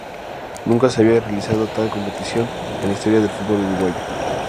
Nunca se había realizado tal competición en la historia del fútbol uruguayo.